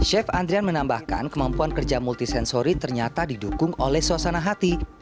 chef andrian menambahkan kemampuan kerja multisansori ternyata didukung oleh suasana hati